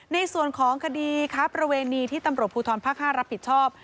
ในส่วนของคดีค้าประเวณีที่ตำรวจภูทรภาค๕รับผิดชอบ